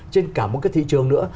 trên cả một cái thị trường nữa